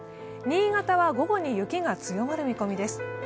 新潟は午後に雪が強まる見込みです。